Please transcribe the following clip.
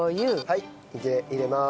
はい入れます。